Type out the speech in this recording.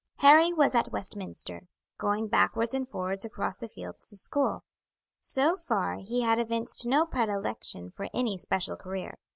Harry was at Westminster, going backwards and forwards across the fields to school. So far he had evinced no predilection for any special career.